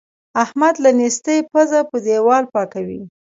احمد له نېستۍ پزه په دېوال پاکوي.